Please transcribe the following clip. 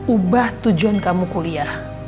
ubah tujuan kamu kuliah